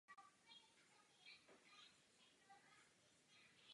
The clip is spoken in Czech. Podle pana Solany doposud žádného úspěchu.